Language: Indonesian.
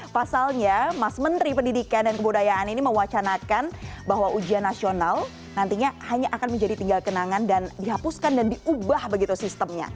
pasalnya mas menteri pendidikan dan kebudayaan ini mewacanakan bahwa ujian nasional nantinya hanya akan menjadi tinggal kenangan dan dihapuskan dan diubah begitu sistemnya